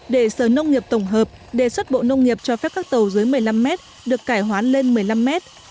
để sở nông nghiệp tổng hợp đề xuất bộ nông nghiệp cho phép các tàu dưới một mươi năm mét được cải hoán lên một mươi năm mét